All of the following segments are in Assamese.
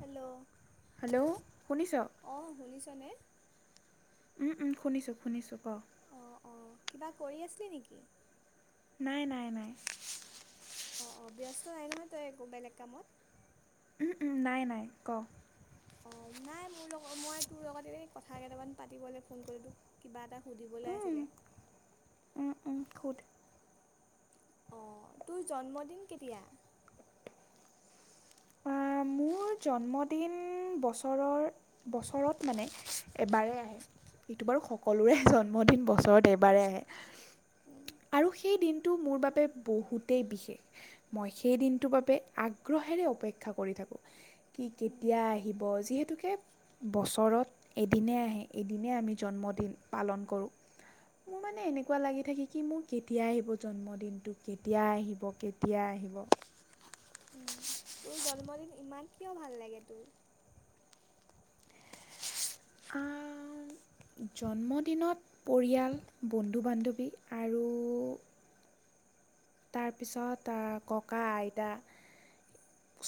হেল্ল' হেল্ল' শুনিছ। অঁ শুনিছনে উম -উম শুনিছো শুনিছো ক' অঁ অঁ কিবা কৰি আছিলি নেকি? নাই নাই অ' অ'ব্যস্ত নাই নহয় তই একো বেলেগ কামত নাই নাই ক ' অ 'নাই মোৰ লগত মই তোৰ লগত এ কথা কেইটামান পাতিবলৈ ফোন কৰিলো তোক কিবা এটা। সুধিবলৈ আছিলে। সুধ অ' তোৰ জন্মদিন কেতিয়া? আহ, মোৰ জন্মদিন বছৰৰ বছৰত মানে এবাৰ আহে এইটো বাৰু সকলোৰে জন্মদিন বছৰত এবাৰ আহে। উম, আৰু সেই দিনটো টো মোৰ বাবে বহুতেই বিশেষ মই সেই দিনটোৰ বাবে আগ্ৰহেৰে অপেক্ষা কৰি থাকোঁ। কি উম, কেতিয়া আহিব যিহেতুকে বছৰত এদিনে আহে এদিনে আমি জন্মদিন পালন কৰোঁ মোৰ মানে এনেকুৱা লাগি থাকে কি মোৰ কেতিয়া আহিব জন্মদিনটো কেতিয়া আহিব কেতিয়া আহিব। উ তোৰ জন্মদিন ইমান কিয় ভাল লাগে তোৰ। জন্মদিনত পৰিয়াল বন্ধু বান্ধৱী আৰু তাৰপিছত ককা আইতা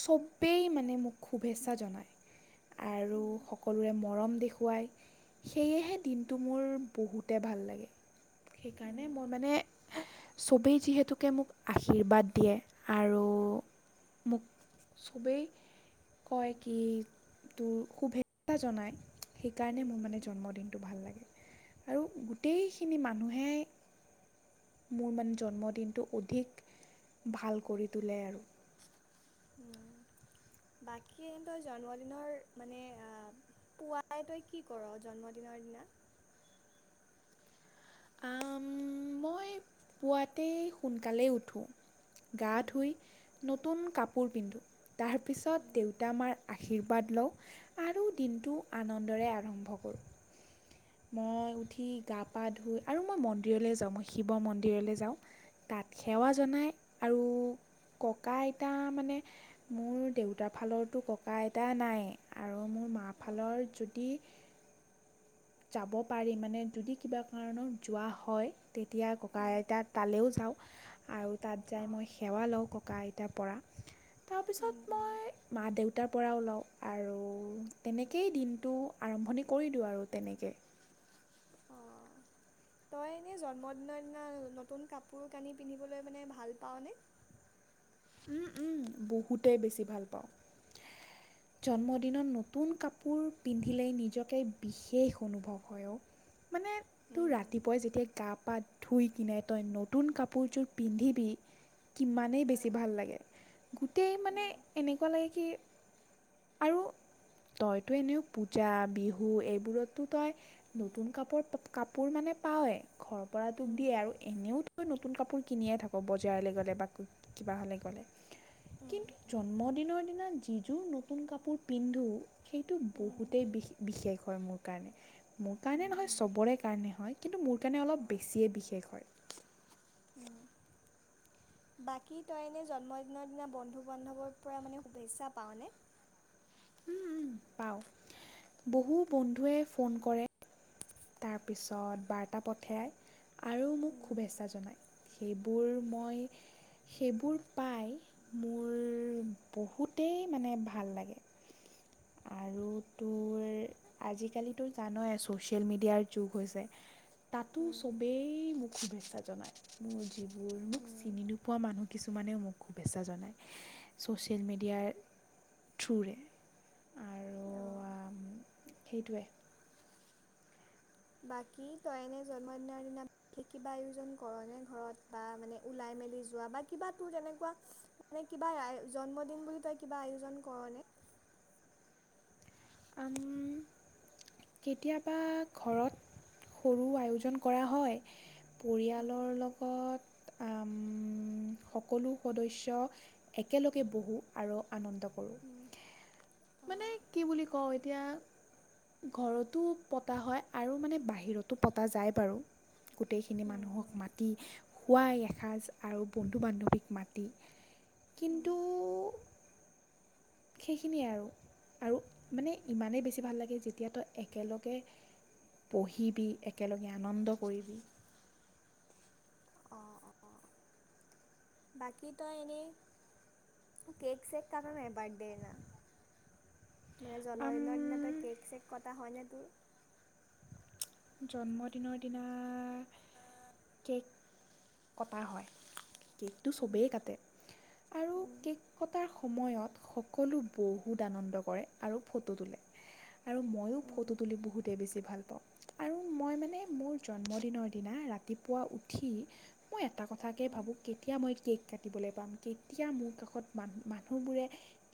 চবেই মানে মোক শুভেচ্ছা জনায় আৰু উম, সকলোৰে মৰম দেখুৱায় সেয়েহে দিনটো মোৰ বহুতে ভাল লাগে। সেইকাৰণে উম, মই মানে। সবেই যিহেতু। তোকে মোক আশীৰ্বাদ দিয়ে আৰু মোক চবেই কয় কি তোৰ শুভেচ্ছা জনায়। সেইকাৰণে উম, মোৰ উম, মানে জন্মদিনটো ভাল লাগে। আৰু গোটেইখিনি মানুহে। মোৰ মানে জন্মদিনটো অধিক ভাল কৰি তোলে আৰু। উ বাকী তই জন্মদিনৰ মানে আহ পুৱাই তই কি কৰ জন্মদিনৰ দিনা। মই পুৱাতেই সোনকালেই উঠোঁ। গা উম, ধুই। নতুন কাপোৰ পিন্ধোঁ। তাৰপিছত উম, দেউতা আমাৰ। আশীৰ্বাদ লওঁ। আৰু দিনটো আনন্দ। দৰে আৰম্ভ কৰোঁ। মই উঠি গা পা ধুই আৰু মই মন্দিৰলৈ যাওঁ। মই শিৱ মন্দিৰলৈ যাওঁ তাত সেৱা অঁ জনাই আৰু ককা আইতা মানে মোৰ দেউতাৰ ফালৰৰতো ককা আইতা নাই আৰু মোৰ মাৰ অঁ ফালৰ যদি যাব পাৰি মানে যদি কিবা কাৰণত যোৱা হয়। তেতিয়া ককা উম। আইতাত তালৈও যাওঁ। আৰু তাত যাই অ' মই সেৱা লও ককাইত তেতিয়াৰ পৰা তাৰপিছত উম, উম, মই মা-দেউতাৰ পৰাও লও আৰু তেনেকেই দিনটো আৰম্ভণি কৰি দিও আৰু তেনেকে অ' তই এনে জন্মদিনৰ দিনা নতুন কাপোৰ-কানি পিন্ধিবলৈ মানে ভাল পাওনে? উম-উম বহুতেই বেছি ভাল পাও। জন্মদিনত নতুন কাপোৰ পিন্ধিলেই নিজকে বিশেষ অনুভৱ হয়। মানে তো উম, ৰাতিপুৱাই যেতিয়া গা-পা ধুই কিনে তই নতুন কাপোৰ যোৰ পিন্ধিবি কিমানেই বেছি অ', ভাল লাগে, গোটেই মানে অ', এনেকুৱা লাগে কি আৰু তইতো এনেও পূজা বিহু এইবোৰতো তই নতুন কাপোৰ কাপোৰ মানে পাৱয়ে, ঘৰৰ পৰাটোক দিয়ে উম, আৰু এনেও তই নতুন কাপোৰ কিনিয়ে থাক বজাৰলৈ গ'লে বা কিবা হ'লে গ'লে কিন্তু উম, জন্মদিনৰ জন্মদিনৰ দিনা যিজোৰ নতু নতুন কাপোৰ পিন্ধো সেইটো উম, বহুতেই বি বিশেষ। হয় মোৰ কাৰণে। মোৰ উম, কাৰণে নহয় উম, চবৰে কাৰণে হয়। [inaudible] সেইকাৰণে অলপ অ', বেছিয়ে বিশেষ হয়। বাকী তই এনে জন্মদিনৰ দিনা বন্ধু-বান্ধৱৰ পৰা মানে শুভেচ্ছা পাও নে? পাও বহু বন্ধুৱে ফোন কৰে। তাৰপিছত বাৰ্তা পঠাই আৰু মোক উম, শুভেচ্ছা জনায় সেই বোৰ মই সেইবোৰ পাই মোৰ বহুতেই মানে ভাল লাগে। আৰু তোৰ আজিকালিতো জানায় ছ'চিয়েল মিডিয়াৰ যুগ হৈছে তাতো উম, চবেই মোক শুভেচ্ছা জনায় মোৰ। মোৰ মোক উম, চিনি নোপোৱা মানুহ। কিছুমানেও মোক শুভেচ্ছা জনায় ছ'চিয়েল মিডিয়াৰ থ্ৰুৰে। আৰু [inaudible] সেইটোৱে। বাকী তইনে জন্মদিনৰ দিনা বিশেষ কিবা আয়োজন কৰ ন ঘৰত বা মানে ওলাই মেলি যোৱা বা কিবা তেনেকুৱ মানে কিবা জন্মদিন বুলি তই কিবা আয়োজন কৰ ন কেতিয়াবা ঘৰত সৰু আয়োজন কৰা হয়, অঁ পৰিয়ালৰ লগত সকলো সদস্য একেলগে বহো আৰু আনন্দ মানে কি বুলি এতিয়া ঘৰতো পতা হয় আৰু মানে বাহিৰতো পতা যায় বাৰু গোটেইখিনি মানুহক মাতি খোৱাই এসাঁজ আৰু বন্ধু-বান্ধৱীক মাতি কিন্তু। সেইখিনিয়ে আৰু আৰু মানে ইমানেই বেছি ভাল লাগে যেতিয়া তই একেলগে বহিবি একেলগে আনন্দ কৰিবি। অ', অ' বাকি তই এনে কেক চেক কাট নে বাৰ্থ মানে আম জন্মদিনৰ দিনা তই কেক চেক কটা হয়নে? [unintelligible] জন্মদিনৰ দিনা কেক কটা হয়। কেকটো চবেই কাটে আৰু কেক কটাৰ সময়ত সকলো বহুত আনন্দ কৰে আৰু ফটো তোলে। আৰু ময়ো ফটো তুলি বহুতেই বেছি ভাল [unintelligible] আৰু মই মানে মোৰ জন্মদিনৰ দিনা ৰাতিপুৱা উঠি মই এটা কথাকে ভাবোঁ কেতিয়া মই কেক কাটিবলৈ পাম কেতিয়া মোৰ কাষত মান মানুহবোৰে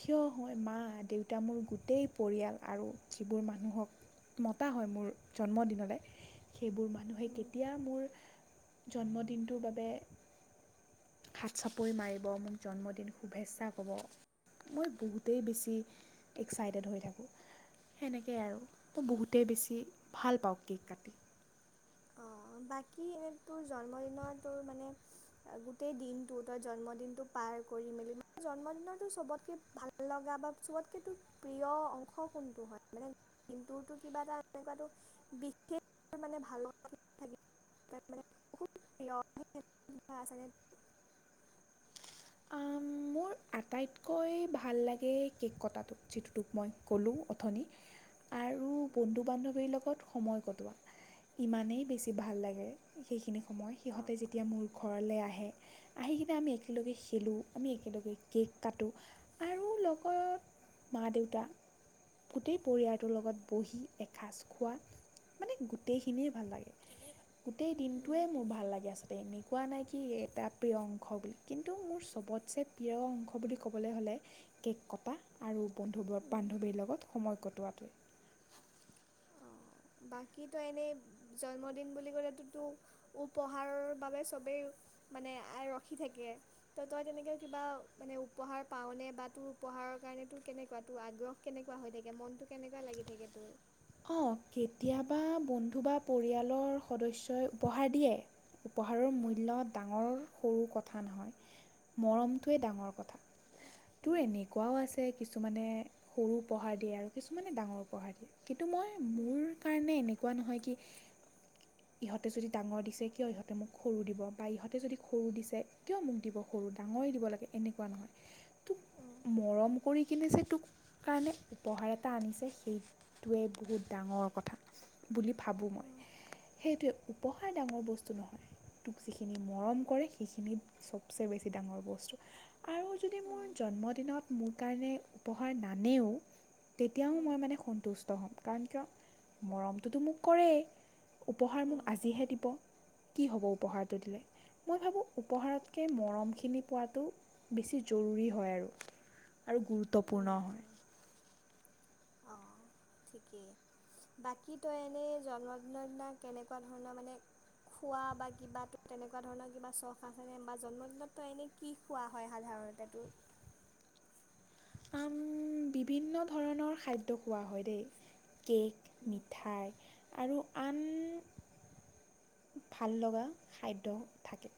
থিয় হয় মা দেউতা মোৰ গোটেই পৰিয়াল আৰু যিবোৰ মানুহক মতা হয় মোৰ জন্মদিনলে। সেইবোৰ মানুহে কেতিয়া মোৰ জন্মদিনটোৰ বাবে হাত চাপৰি মাৰিব মোক জন্মদিন শুভেচ্ছা ক'ব মই বহুতেই বেছি এক্সাইটেড হৈ থাকোঁ সেনেকেই আৰু মই বহুতেই বেছি। ভাল পাওঁ কেক কাটি। অ' বাকী এনে তোৰ জন্মদিনৰ তোৰ মানে গোটেই দিনটো তই জন্মদিনটো পাৰ কৰি মেলি মানে জন্মদিনৰতো চবতকে ভাল লগা বা চবতকে তোৰ প্ৰিয় অংশ কোনটো হয় মানে দটোো কিবা এটা এনেকুৱ বিশষ মানে ভাল। [unintelligible] মোৰ আটাইতকৈ ভাল লাগে কেক কটাটো যিটোটোক মই ক'লোঁ অথনি আৰু বন্ধু বান্ধৱীৰ লগত সময় কটোৱা ইমানেই বেছি ভাল লাগে সেইখিনি। সময় সিহঁতে যেতিয়া মোৰ ঘৰলৈ আহে, আহি কিনে আমি একেলগে খেলোঁ আমি একেলগে কেক কাটো আৰু লগত মা দেউতা গোটেই পৰিয়ালটোৰ লগত বহি এসাঁজ খোৱা মানে গোটেইখিনিয়ে। ভাল লাগে গোটেই দিনটোৱেই মোৰ ভাল লাগে আচলতে এ কোৱা নাই কি এটা প্ৰিয় অংশ বুলি কিন্তু মোৰ চবতছে প্ৰিয় অংশ অংশ বুলি ক'বলৈ হ'লে কেক কটা আৰু। বন্ধু বান্ধৱীৰ লগত সময় কট কটোৱাটো। বাকী তই এনেই জন্মদিন বুলি কলেতো ত উপহাৰৰ বাবে চবেই মানে ৰখি থাকে ত তই তেনেকে কিবা মানে উপহাৰ পাওনে বা তোৰ উপহাৰৰ কাৰণে তোৰ কেনেকুৱা তোৰ আগ্ৰহ কেনেকুৱা হৈ থাকে মনতটো কেনেকুৱা লাগি থাকে তোৰ। অ' কেতিয়াবা বন্ধু বা পৰিয়ালৰ সদস্যই উপহাৰ দিয়ে। উপহাৰৰ উম, মূল্য ডাঙৰ। সৰু কথা নহয়। উম, মৰমটোৱে ডাঙৰ কথা তোৰ উম, এনেকুৱাও আছে। কিছুমানে সৰু উপহাৰ দিয়ে আৰু কিছুমানে ডাঙৰ উপহাৰ দিয়ে। কিন্তু মই মোৰ কাৰণে এনেকুৱা নহয় কি ইহঁতে যদি ডাঙৰ দিছে কিয় ইহঁতে মোক সৰু দিব বা ইহঁতে যদি সৰু দিছে কিয় মোক দিব সৰু ডাঙৰেই দিব লাগে এনেকুৱা নহয়। উম, মৰম কৰি। কিনে যে তোক কাৰণে উপহাৰ এটা আনিছে সেই। টোৱে বহুত ডাঙৰ কথা। বুলি ভাবোঁ মই উম, সেইটোৱে। উপহাৰ ডাঙৰ বস্তু নহয় তোক যিখিনি মৰম কৰে সেইখিনি চবচে বেছি ডাঙৰ বস্তু আৰু যদি উম, মোৰ উম, জন্মদিনত মোৰ কাৰণে উপহাৰ নানেও তেতিয়াও উম, মই মানে সন্তুষ্ট। হ'ম কাৰণ কিয় মৰমটোতো মোক কৰেই উপহাৰ মোক উম, আজিহে দিব। কি হ'ব উপহাৰটো দিলে মই ভাবোঁ উপহাৰতকৈ মৰমখিনি পোৱাটো বেছি জৰুৰী হয় আৰু আৰু গুৰুত্বপূৰ্ণ উম, হয়। উম, অ ঠিকেই বাকী তই এনেই জন্মদিনৰ দিনা কেনেকুৱা ধৰণৰ মানে খোৱা বা কিবা তেনেকুৱা ধৰণৰ কিবা চখ আছেনে বা জন্মদিনত তই এনে কি খোৱা হয় সাধাৰণতে তোৰ বিভিন্ন ধৰণৰ খাদ্য খোৱা হয় দেই। কেক মিঠাই আৰু আন ভাল লগা খাদ্য থাকে।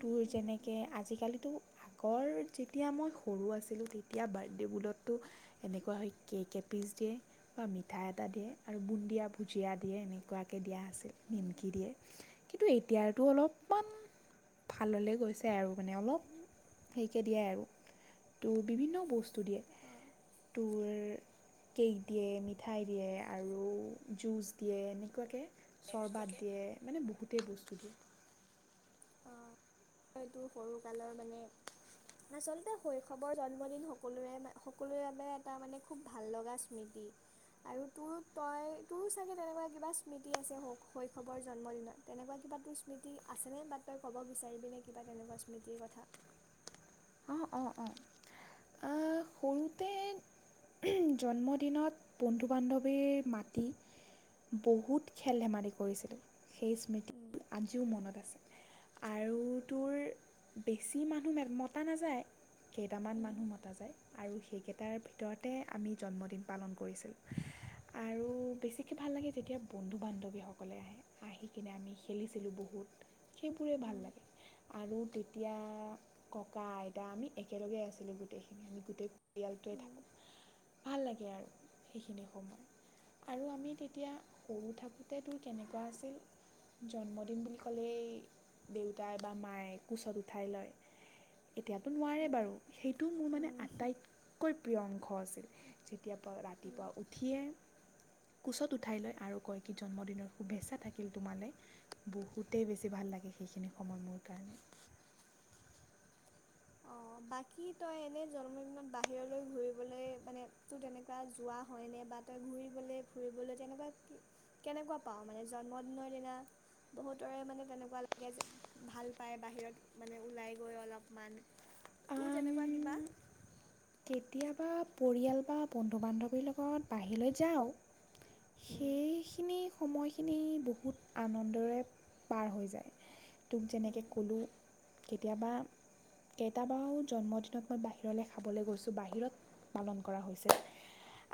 তোৰ যেনেকে আজিকালিতো আ কৰ যেতিয়া মই সৰু আছিলোঁ তেতিয়া বাৰ্থডে' বুলততো এনেকুৱা হয় কেক এপিচ দিয়ে বা মিঠা এটা দিয়ে আৰু বুন্দিয়া ভুজিয়া দিয়ে এনেকুৱাকৈ দিয়া আছিল নিমকি দিয়ে। কিন্তু এতিয়তো অলপমান ভাললে গৈছে আৰু মানে অলপ হেৰিকে দিয়ে আৰু ত' বিভিন্ন বস্তু ষ্টু দিয়ে টুৰ। কেক দিয়ে মিঠাই দিয়ে আৰু জুচ দিয়ে এনেকুৱাকৈ চৰ্বাত দিয়ে। বহুতেই বস্তুটোিয় অ এই তোৰ সৰু কালৰ মানে আচলতে শৈশৱৰ জন্মদিন সকলোৰে সকলোৰে বাবে এটা মানে খুব ভাল লগা স্মৃতি আৰু তোৰ তই তোৰ চাগে তেনেকুৱা কিবা স্মৃতি আছে শৈশৱৰ জন্মদিনত তেনেকুৱা কিবা তোৰ স্মৃতি আছেনে বাট তই ক'ব বিচাৰিবিনেে কিবা তেনেকুৱা স্মৃতিৰ কথা। অঁ অঁ! সৰুতে জন্মদিনত বন্ধু বান্ধৱীৰ মাতি বহুত খেল ধেমালি কৰিছিলে সেই স্মৃতি উম আজিও মনত আছে আৰু তোৰ বেছি মানুহ মতা নাযায় কেইটামান উম মানুহ মতা যায়। আৰু সেইকেইটাৰ ভিতৰতে আমি জন্মদিন পালন কৰিছিলোঁ আৰু বেছিকৈ ভাল লাগে যেতিয়া বন্ধু বান্ধৱীসকলে আহে আহি কিনে আমি খেলিছিলোঁ বহুত। সেইবোৰে ভাল উম লাগে আৰু, তেতিয়া ককা আইতা আমি একেলগে আছিলো গোটেইখিনি আমি গোটেই পৰিয়ালটোৱে অঁ থাকোঁ। ভাল লাগে আৰু সেইখিনি সময় আৰু আমি তেতিয়া সৰু থাকোঁতে তোৰ কেনেকুৱা আছিল জন্মদিন বুলি ক'লেই দেউতাই বা মায়ে কোচত উঠাই লয়। এতিয়াতো নোৱাৰে বাৰু সেইটো মোৰ মানে আটাইতকৈ প্ৰিয়ংক আছিল যেতিয়া ৰাতিপুৱা উঠিয়ে কোচত উঠাই লয় আৰু কয় কি জন্মদিনৰ শুভেচ্ছা থাকিল তোমালৈ বহুতেই বেছি ভাল লাগে সেইখিনি সময় মোৰ কাৰণে অঁ বাকী তই এনেই জন্মদিনত বাহিৰলৈ ঘূৰিবলৈ মানে তোৰ তেনেকুৱা যোৱা হয়নে বা তই ঘূৰিবলৈ ফুৰিবলৈ তেনেকুৱা কি কেনেকুৱা পাওঁ মানে, জন্মদিনৰ দিনা বহুতৰে মানে তেনেকুৱা লাগে যে ভাল পায় বাহিৰত মানে ওলাই গৈ অলপমান তোৰ তেনেকুৱা কিবা কেতিয়াবা পৰিয়াল বা বন্ধু বান্ধৱীৰ লগত বাহিৰলৈ যাওঁ। উম, সেইখিনি সময়খিনি বহুত আনন্দৰে পাৰ হৈ যায়। তোক যেনেকৈ উম, ক'লো। কেতিয়াবা কেইটাবাও জন্মদিনত মই বাহিৰলৈ খাবলৈ গৈছোঁ। বাহিৰত পালন কৰা হৈছিল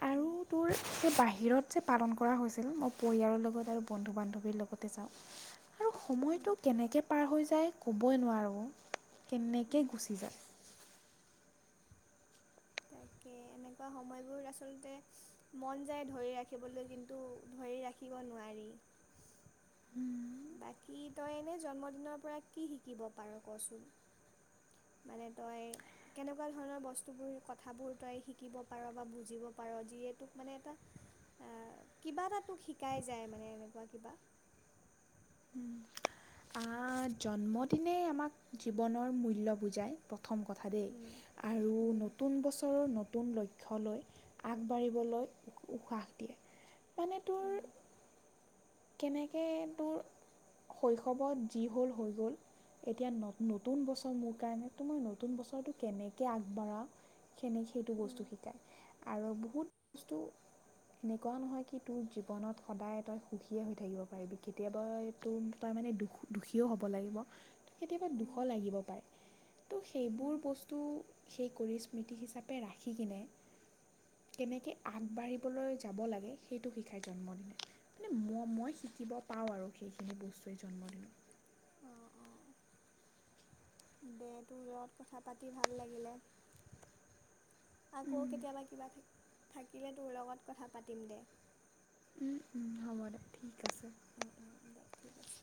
আৰু উম, তোৰ সেই বাহিৰত যে পালন কৰা হৈছিল মই পৰিয়ালৰ লগত আৰু বন্ধু বান্ধৱীৰ লগতে চাওঁ। আৰু উম, সময়টো কেনেকৈ পাৰ হৈ যায়। ক'বই নোৱাৰোঁ কেনেকৈ উম। গুচি যায়। তাকে এনেকুৱা সময়বোৰ আচলতে মন যায় ধৰি ৰাখিবলৈ কিন্তু ধৰি ৰাখিব নোৱাৰি। বাকী তই এনে জন্মদিনৰ পৰা কি শিকিব পাৰ কচোন মানে তই কেনেকুৱা ধৰণৰ বস্তুবোৰ কথাবোৰ তই শিকিব পাৰ বা বুজিব পাৰ যিয়ে তোক মানে এটা আহ কিবা এটা তোক শিকাই যায় মানে এনেকুৱা কিবা। আহ', জন্মদিনে আমাক জীৱনৰ মূল্য বুজায়। প্ৰথম কথা দেই উম আৰু উম নতুন বছৰৰ নতুন লক্ষ্য লৈ আগবাঢ়িবলৈ উশাহ দিয়ে। মানে তোৰ? উম কেনেকৈ তোৰ শৈশৱত যি হ'ল হৈ গ'ল এতিয়া নতুন বছৰ মোৰ কাৰণে তো মই নতুন বছৰটো কেনেকৈ আগবাঢ়া। সেনেক সেইটো উম বস্তু শিকায়। আৰু বহুত বস্তু এনেকুৱা নহয় কি তোৰ জীৱনত সদায় তই সুখীয়ে হৈ থাকিব পাৰিবি কেতিয়াবা তো তাৰ মানে দুখ দুখীও হ'ব লাগিব। কেতিয়াবা দুশ উম লাগিব পাৰে ত', উম সেইবোৰ বস্তু সেই কৰি স্মৃতি হিচাপে ৰাখি কিনে কেনেকে আগবাঢ়িবলৈ যাব লাগে সেইটো শিকায় জন্মদিনে। মানে মই মই শিকিব পাওঁ আৰু সেইখিনি বস্তুৱেই জন্মদিনত। অহ ', - অহ ', দে তোৰ লগত কথা পাতি ভাল লাগিলে। আকৌ কেতিয়াবা কিবা থাকিলে তোৰ লগত কথা পাতিম দে। উম ', - উম ', হ'ব দে। আছে উম উম দে ঠিক আছে।